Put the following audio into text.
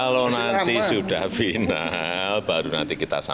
menurut pak idiano